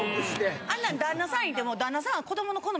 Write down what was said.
あんなん旦那さんいても。